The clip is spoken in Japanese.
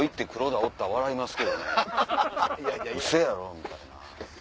ウソやろ⁉みたいな。